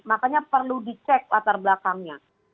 makanya perlu dicek latar belakangnya